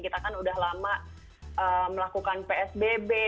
kita kan udah lama melakukan psbb